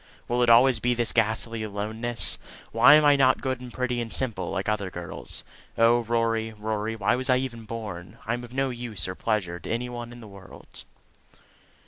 Will it always be this ghastly aloneness? Why am I not good and pretty and simple like other girls? Oh, Rory, Rory, why was I ever born? I am of no use or pleasure to any one in all the world!"